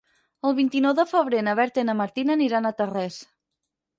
El vint-i-nou de febrer na Berta i na Martina aniran a Tarrés.